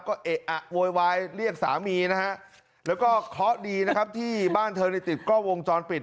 ก็เอะอะโวยวายเรียกสามีนะฮะแล้วก็เคราะห์ดีนะครับที่บ้านเธอในติดกล้องวงจรปิด